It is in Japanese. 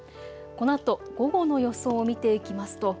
このあと午後の予想を見ていきますと